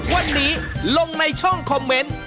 วันนี้ลงในช่องคอมเมนต์